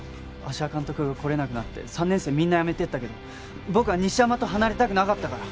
芦屋監督が来れなくなって３年生みんなやめていったけど僕は西山と離れたくなかったから。